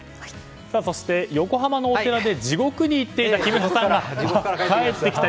そして、横浜のお寺で地獄に行っていた木村さんが帰ってきた。